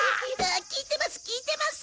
聞いてます聞いてます。